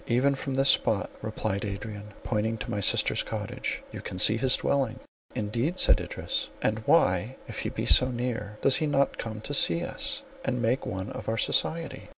"Even from this spot," replied Adrian, pointing to my sister's cottage, "you can see his dwelling." "Indeed!" said Idris, "and why, if he be so near, does he not come to see us, and make one of our society?"